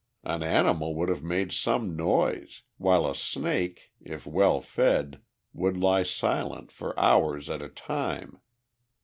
"An animal would have made some noise, while a snake, if well fed, will lie silent for hours at a time.